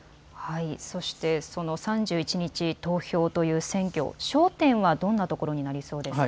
そしてその３１日投票という選挙、焦点はどんなところになりそうでしょうか。